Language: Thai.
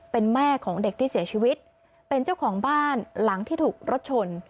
เป็นแม่ของเด็กที่เสียชีวิตเป็นเจ้าของบ้านหลังที่ถูกรถชน